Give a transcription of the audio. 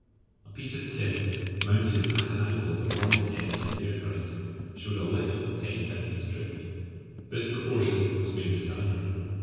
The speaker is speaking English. A piece of tin, mounted at an angle of one in ten to the air current, showed a "lift" of ten times its "drift." This proportion was made the standard.